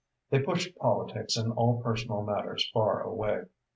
They pushed politics and all personal matters far away.